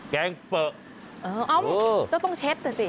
แกงเป๋าเออต้องเช็ดหน่อยสิ